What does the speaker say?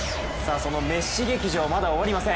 そのメッシ劇場まだ終わりません。